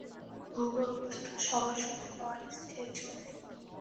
ভূগর্ভস্থ শহর শুধু কোয়ালিস্টদের জন্যে।